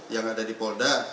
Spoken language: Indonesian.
yang ada di polda